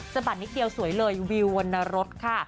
บัดนิดเดียวสวยเลยวิววรรณรสค่ะ